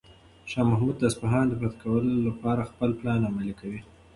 شاه محمود د اصفهان د فتح لپاره خپل پلان عملي کوي.